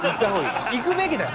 行くべきだよ。